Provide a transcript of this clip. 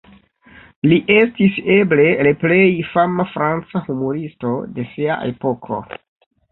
Li estis eble le plej fama franca humuristo de sia epoko.